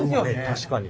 確かに。